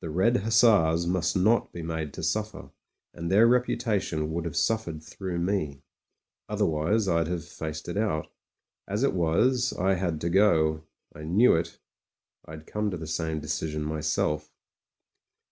The Red Hussars must not be made to suffer; and their reputation would have suf fered through me. Otherwise I'd have faced it out As it was, I had to go; I knew it. I'd come to the same decision myself.